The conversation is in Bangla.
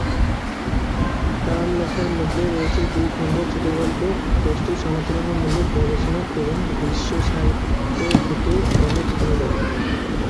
তার লেখার মধ্যে রয়েছে দুই খণ্ডের ছোটগল্প, দশটি সমালোচনামূলক গবেষণা এবং বিশ্ব সাহিত্য থেকে অনেক অনুবাদ।